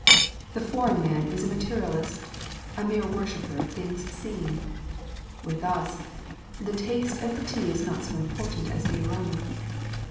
The foreign man is a materialist, a mere worshipper of things seen. With us "the taste of the tea is not so important as the aroma."